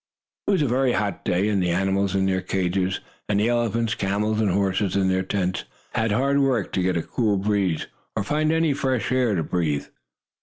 It was a very hot day, and the animals in their cages, and the elephants, camels and horses, in the tent, had hard work to get a cool breeze or find any fresh air to breathe.